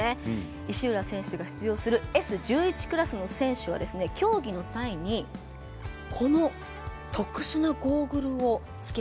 石浦選手が出場するＳ１１の選手はレースの際にこの特殊なゴーグルをつけます。